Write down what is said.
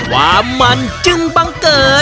ความมันจึงบังเกิด